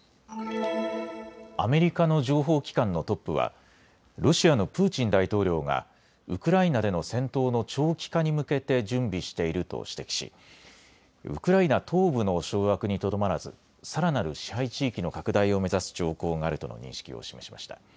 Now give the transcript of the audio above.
アメリカの情報機関のトップはロシアのプーチン大統領がウクライナでの戦闘の長期化に向けて準備していると指摘しウクライナ東部の掌握にとどまらず、さらなる支配地域の拡大を目指す兆候があるとの認識を示しました。